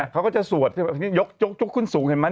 เขาก็จะสวดยกขึ้นสูงเห็นไหม